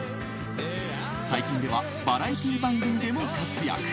最近ではバラエティー番組でも活躍。